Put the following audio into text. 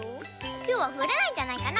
きょうはふらないんじゃないかな？